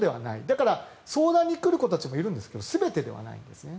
だから、相談に来る子たちもいるんですけど全てではないんですね。